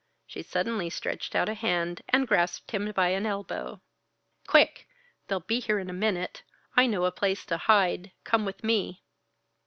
She suddenly stretched out a hand and grasped him by an elbow. "Quick! They'll be here in a minute. I know a place to hide. Come with me."